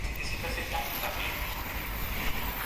Al menos no eres comunista.